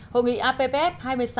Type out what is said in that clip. hội nghị appf hai mươi sáu